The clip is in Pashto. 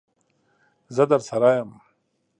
زه درسره یم.